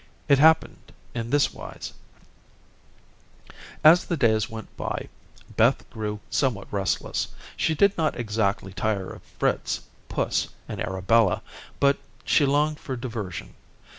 It happened in this wise: As the days went by, Beth grew somewhat restless. She did not exactly tire of Fritz, puss, and Arabella, but she longed for diversion.